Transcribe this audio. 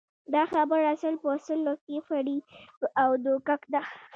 دا خبره سل په سلو کې فریب او دوکه ده